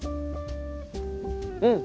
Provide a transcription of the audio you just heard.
うん！